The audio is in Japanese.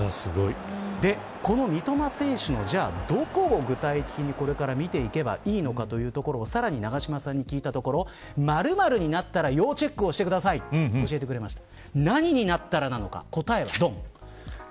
この三笘選手のじゃあどこを具体的にこれから見ていけばいいのかというところをさらに永島さんに聞いたところマルマルになったらチェックしてくださいと教えてくれました。